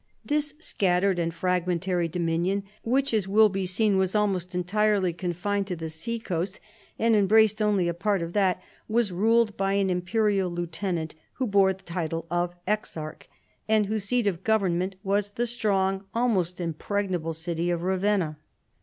This scattered and fragmentary dominion, which as will be seen was almost entirely confined to the sea coast, and embraced only a part of that, was ruled by an imperial lieutenant v;ho bore the title of Exarch, and whose seat of government was the strong, almost impregnable, city of Ravenna.